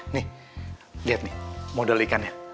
nih liat nih model ikannya